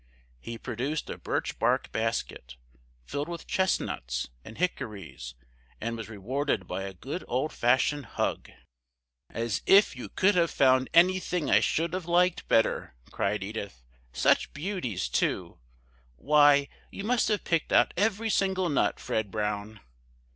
He produced a birchbark basket, filled with chestnuts and hickories, and was rewarded by a good old fashioned hug. "As if you could have found anything I should have liked better!" cried Edith. "Such beauties, too! Why, you must have picked out every single nut, Fred Brown!"